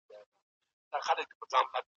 که محتوا منظم نه وي نو خلک ژر ناراض کېږي.